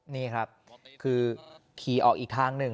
นี่ครับคือขี่ออกอีกทางหนึ่ง